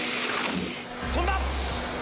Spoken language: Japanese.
飛んだ！